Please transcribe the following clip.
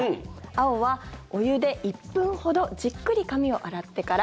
青は、お湯で１分ほどじっくり髪を洗ってから。